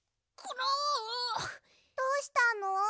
どうしたの？